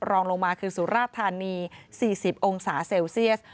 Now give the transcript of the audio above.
รองลงมาคือสุราธานี๔๐องศาเซลเซียส